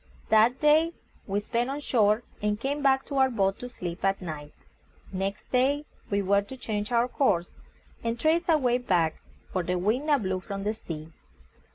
That day we spent on shore, and came back to our boat to sleep at night. Next day we were to change our course, and trace our way back, for the wind now blew from the sea.